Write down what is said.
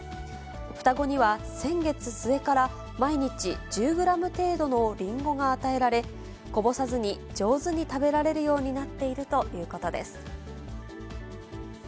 双子には、先月末から毎日１０グラム程度のリンゴが与えられ、こぼさずに上手に食べられるようになっているということです。